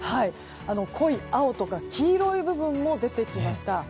濃い青とか黄色い部分も出てきました。